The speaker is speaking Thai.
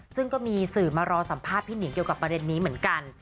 ซึ่งก็มีสื่อมารอสัมภาษณ์พี่หนิงเกี่ยวกับประเด็นนี้เหมือนกัน